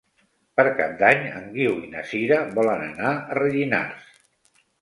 Per Cap d'Any en Guiu i na Sira volen anar a Rellinars.